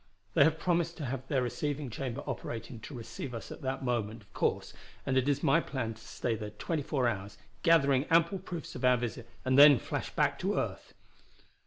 They have promised to have their receiving chamber operating to receive us at that moment, of course, and it is my plan to stay there twenty four hours, gathering ample proofs of our visit, and then flash back to earth.